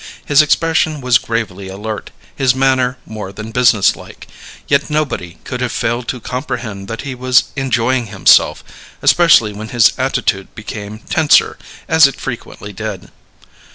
His expression was gravely alert, his manner more than businesslike; yet nobody could have failed to comprehend that he was enjoying himself, especially when his attitude became tenser, as it frequently did.